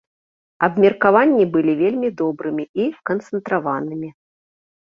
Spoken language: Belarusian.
Абмеркаванні былі вельмі добрымі і канцэнтраванымі.